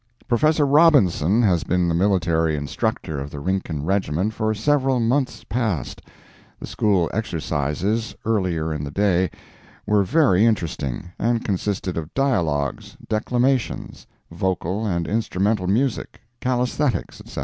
Professor Robinson has been the military instructor of the Rincon Regiment for several months past. The School exercises, earlier in the day, were very interesting, and consisted of dialogues, declamations, vocal and instrumental music, calisthenics, etc.